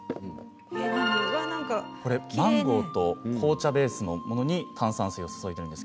マンゴーと紅茶ベースのものに炭酸水を注いでいます。